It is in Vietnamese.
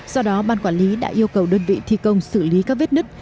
do đó ban quản lý đã yêu cầu đơn vị thi công xử lý các vết nứt